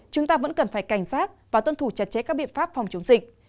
chúng ta vẫn cần phải cảnh giác và tuân thủ chặt chẽ các biện pháp phòng chống dịch